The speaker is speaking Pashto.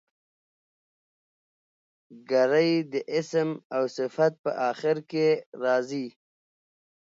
ګری د اسم او صفت په آخر کښي راځي.